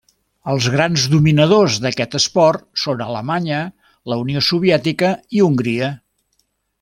Els grans dominadors d'aquest esport són Alemanya, la Unió Soviètica i Hongria.